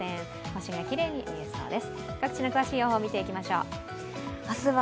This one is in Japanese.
星がきれいに見えそうです。